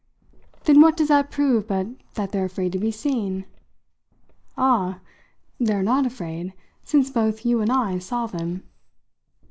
"Then what does that prove but that they're afraid to be seen?" "Ah, they're not afraid, since both you and I saw them!"